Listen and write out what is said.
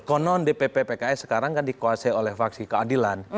konon dpp pks sekarang kan dikuasai oleh faksi keadilan